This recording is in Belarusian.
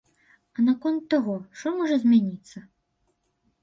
А наконт таго, што можа змяніцца?